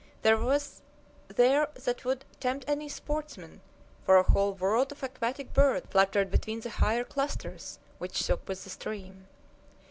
There was there what would tempt any sportsman, for a whole world of aquatic birds fluttered between the higher clusters, which shook with the stream.